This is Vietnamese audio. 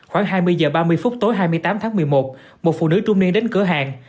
khoảng hai mươi h ba mươi phút tối hai mươi tám tháng một mươi một một phụ nữ trung niên đến cửa hàng